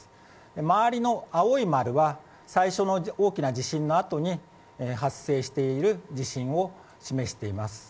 周りの青い丸は最初の大きな地震のあとに発生している地震を示しています。